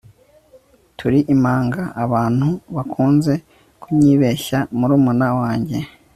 turi impanga. abantu bakunze kunyibeshya murumuna wanjye